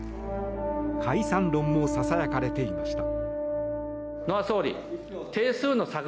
解散論もささやかれていました。